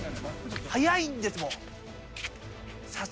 速いんですもん。